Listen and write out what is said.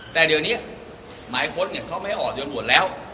แต่เดี๋ยวนี้หมายค้นเขาไม่ให้ออกตำรวจแล้ว